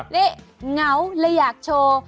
นี่เหงาเลยอยากโชว์